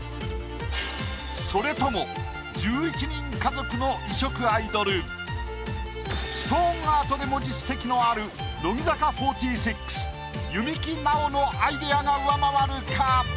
それとも１１人家族の異色アイドルストーンアートでも実績のある乃木坂４６弓木奈於のアイディアが上回るか？